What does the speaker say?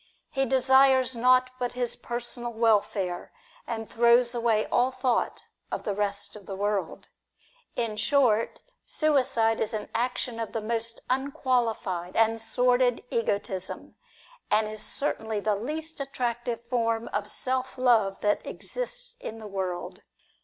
He desires nought but his personal welfare, and throws away all thought of the rest of the world. In short, suicide is an action of the most unqualified and sordid egotism, and is certainly the least attractive form of self love that exists in the world.